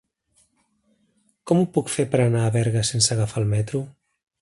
Com ho puc fer per anar a Berga sense agafar el metro?